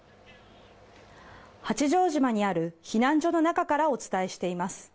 八丈島にある避難所の中からお伝えしています。